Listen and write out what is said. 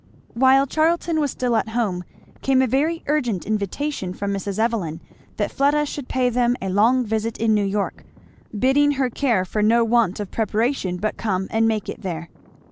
While Charlton was still at home came a very urgent invitation from Mrs. Evelyn that Fleda should pay them a long visit in New York, bidding her care for no want of preparation but come and make it there.